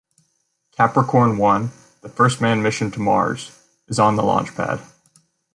Capricorn One-the first manned mission to Mars-is on the launch pad.